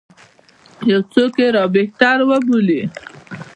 یو څوک یې دا بهتر وبولي.